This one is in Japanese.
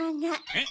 えっ？